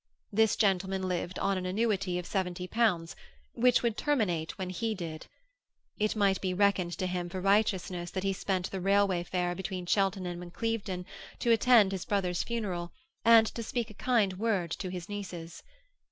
This gentleman lived on an annuity of seventy pounds, which would terminate when he did. It might be reckoned to him for righteousness that he spent the railway fare between Cheltenham and Clevedon to attend his brother's funeral, and to speak a kind word to his nieces.